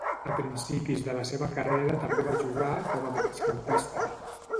A principis de la seva carrera també va jugar com a migcampista.